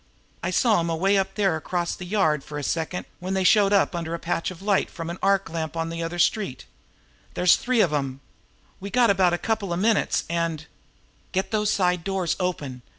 I saw 'em sway up there across the yard for a second when they showed up under a patch of light from an arc lamp on the other street. There's three of 'em. We got about a couple of minutes, and " "Get those side doors open!